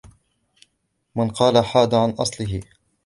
من قال حاد عن اصله